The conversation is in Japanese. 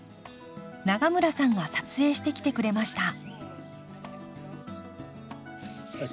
永村さんが撮影してきてくれました。